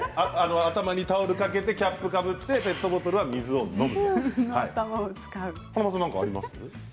頭にタオルをかけてキャップをかぶってペットボトルで水を飲む。